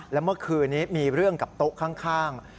แล้วเมื่อคืนนี้มีเรื่องกับโต๊ะข้าง